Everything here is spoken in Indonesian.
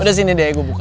udah sini deh gue buka